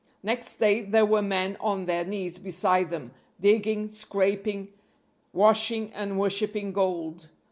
Next day there were men on their knees beside them, digging, scraping, washing and worshipping gold.